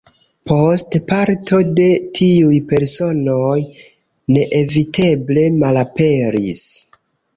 Poste parto de tiuj personoj neeviteble malaperis.